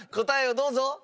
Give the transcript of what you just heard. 答えをどうぞ。